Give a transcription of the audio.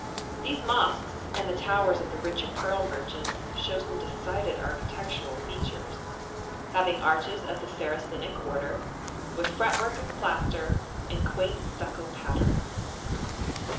These mosques and the towers of the richer pearl merchants show some decided architectural features, having arches of the Saracenic order, with fretwork of plaster and quaint stucco patterns.